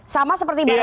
sama seperti mbak reskrim